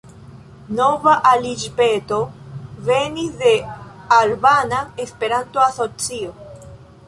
Nova aliĝpeto venis de Albana Esperanto-Asocio.